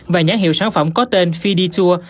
và nhãn hiệu sản phẩm có tên fiditur